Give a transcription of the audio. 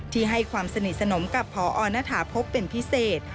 ที่ให้ความสนิทสนมกับพอณฐาพบเป็นพิเศษ